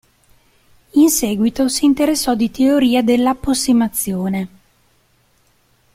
In seguito si interessò di teoria dell'appossimazione.